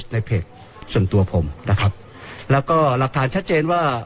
ในเพจส่วนตัวผมนะครับแล้วก็หลักฐานชัดเจนว่า